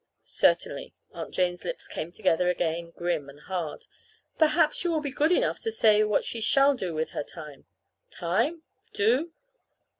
"Certainly." Aunt Jane's lips came together again grim and hard. "Perhaps you will be good enough to say what she shall do with her time." "Time? Do?